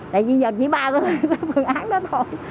tại vì giờ chỉ ba phương án đó thôi